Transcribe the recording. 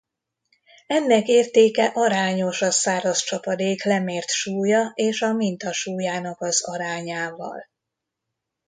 Ennek értéke arányos a száraz csapadék lemért súlya és a minta súlyának az arányával.